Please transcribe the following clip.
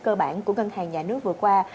cơ bản của ngân hàng nhà nước vừa qua